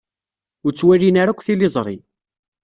Ur ttwalin ara akk tiliẓri.